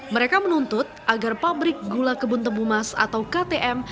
mereka menuntut agar pabrik gula kebun tebu mas atau ktm